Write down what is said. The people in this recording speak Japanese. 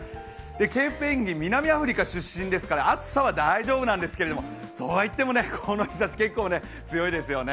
ケープペンギン、南アフリカ出身ですから暑さは大丈夫なんですけど、そうはいってもこの日ざし、結構強いですよね。